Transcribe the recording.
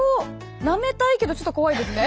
なめたいけどちょっと怖いですね。